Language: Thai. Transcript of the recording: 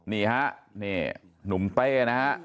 นี่ฮะนี่หนุ่มเต้นะฮะ